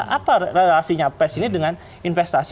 apa relasinya pes ini dengan investasi